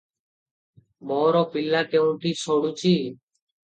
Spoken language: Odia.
ମୋର ପିଲା କେଉଁଠି ସଢ଼ୁଚି?